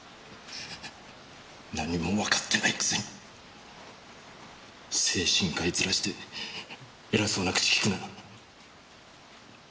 何もわかってないくせに精神科医ヅラして偉そうな口利くな。